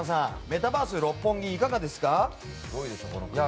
メタバース六本木いかがですか？